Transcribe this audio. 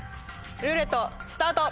ルーレットスタート。